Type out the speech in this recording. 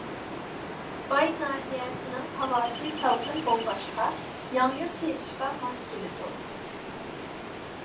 باي ناھىيەسىنىڭ ھاۋاسى سالقىن بولغاچقا، ياڭيۇ تېرىشقا ماس كېلىدۇ.